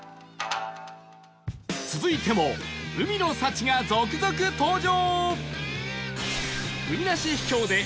続いても海の幸が続々登場